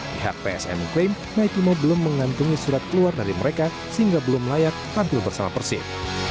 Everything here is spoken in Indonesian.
pihak psm mengklaim maikimo belum mengantungi surat keluar dari mereka sehingga belum layak tampil bersama persib